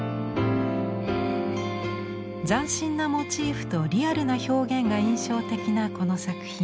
斬新なモチーフとリアルな表現が印象的なこの作品。